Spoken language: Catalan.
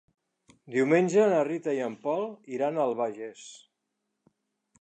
Diumenge na Rita i en Pol iran a l'Albagés.